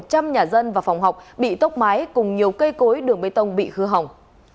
một trăm linh nhà dân và phòng học bị tốc mái cùng nhiều cây cối đường bê tông bị hư hỏng